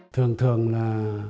thường thường là